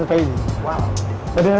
oke ini kering